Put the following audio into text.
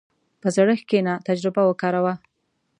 په زړښت کښېنه، تجربه وکاروه.